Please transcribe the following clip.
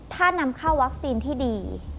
ถ้านำเข้าวัคซีนที่ดี